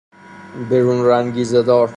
برون رنگیزه دار